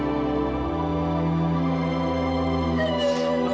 aku tak mau